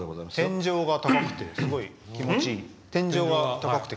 天井が高くてすごい気持ちいいですね。